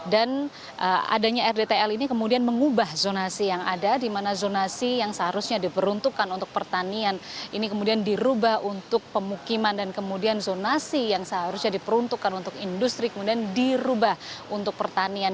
dan adanya rdtl ini kemudian mengubah zonasi yang ada di mana zonasi yang seharusnya diperuntukkan untuk pertanian ini kemudian dirubah untuk pemukiman dan kemudian zonasi yang seharusnya diperuntukkan untuk industri kemudian dirubah untuk pertanian